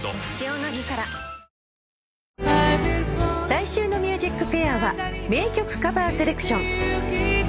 来週の『ＭＵＳＩＣＦＡＩＲ』は名曲カバーセレクション。